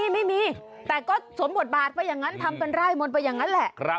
ไม่มีแต่ก็สวมบทบาทไปอย่างนั้นทำเป็นร่ายมนต์ไปอย่างนั้นแหละ